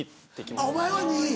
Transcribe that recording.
お前は２。